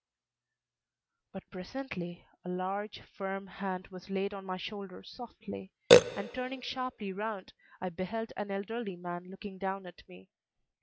But presently a large, firm hand was laid on my shoulder softly, and turning sharply round, I beheld an elderly man looking down at me.